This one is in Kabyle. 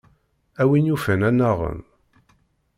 A win yufan ad nnaɣen.